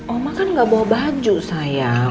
oma kan gak bawa baju sayang